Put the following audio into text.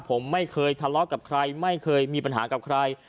ผมไม่เคยทะเลาะกับใครไม่เคยมีปัญหากับใคร